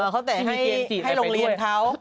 เขาแต่งให้โรงเรียนเขา